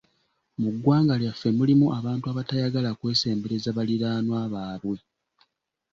Mu ggwanga lyaffe mulimu abantu abatayagala kwesembereza baliraanwa baabwe.